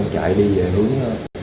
chạy đi về hướng